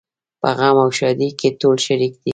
په غم او ښادۍ کې ټول شریک دي.